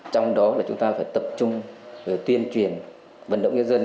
trong đó là chúng ta phải tập trung tuyên truyền vận động nhân dân